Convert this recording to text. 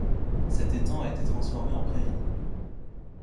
Cet étang a été transformé en prairies.